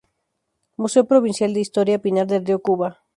Museo Provincial de Historia, Pinar del Río, Cuba.